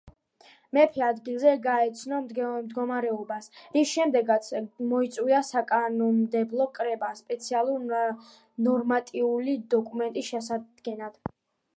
მეფე ადგილზე გაეცნო მდგომარეობას, რის შემდეგაც მოიწვია საკანონმდებლო კრება სპეციალური ნორმატიული დოკუმენტის შესადგენად.